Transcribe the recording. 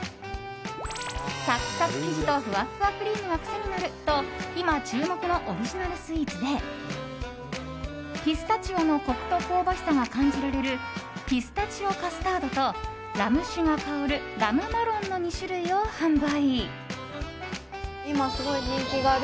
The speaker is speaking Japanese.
サクサク生地とふわふわクリームが癖になると今、注目のオリジナルスイーツでピスタチオのコクと香ばしさが感じられるピスタチオカスタードとラム酒が香るラムマロンの２種類を販売。